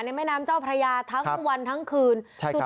แม่น้ำเจ้าพระยาทั้งวันทั้งคืน